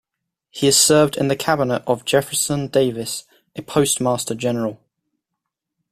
He served in the cabinet of Jefferson Davis as Postmaster General.